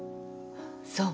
そう。